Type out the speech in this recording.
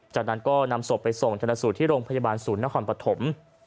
จากนั้นก็นำศพไปส่งธนสูตรที่โรงพยาบาลศูนย์นครปฐม